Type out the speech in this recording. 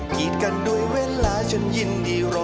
กีดกันด้วยเวลาฉันยินดีรอ